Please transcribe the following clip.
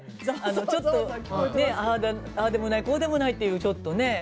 ちょっとねあでもないこでもないっていうちょっとね。